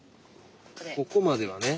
ここまではね。